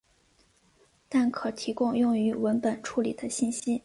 但可提供用于文本处理的信息。